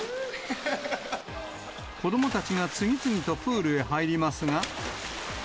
子どもたちが次々とプールへ入りますが。